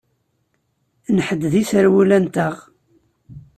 Nḥedded iserwalen-nteɣ.